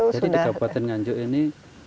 jadi di kabupaten nganju ini